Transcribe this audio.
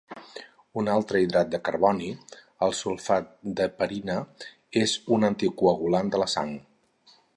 Un altre hidrat de carboni, el sulfat d'heparina, és un anticoagulant de la sang.